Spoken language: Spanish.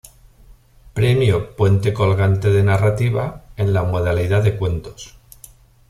Premio Puente Colgante de Narrativa, en la modalidad de Cuentos.